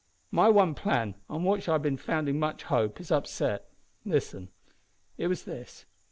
"My one plan, on which I had been founding much hope, is upset. Listen. It was this.